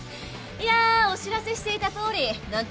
いやあお知らせしていたとおりなんと